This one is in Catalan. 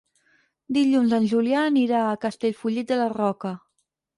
Dilluns en Julià anirà a Castellfollit de la Roca.